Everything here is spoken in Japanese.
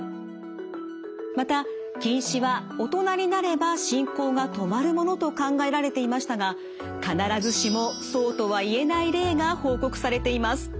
また近視は大人になれば進行が止まるものと考えられていましたが必ずしもそうとは言えない例が報告されています。